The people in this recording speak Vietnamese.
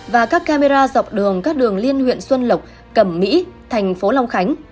và các camera dọc đường các đường liên huyện xuân lộc cẩm mỹ thành phố long khánh